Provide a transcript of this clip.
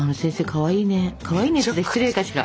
「かわいいね」って言ったら失礼かしら。